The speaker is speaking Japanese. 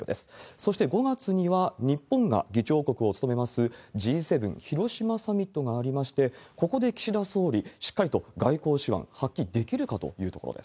そして、５月には日本が議長国を務めます、Ｇ７広島サミットがありまして、ここで岸田総理、しっかりと外交手腕発揮できるかというところです。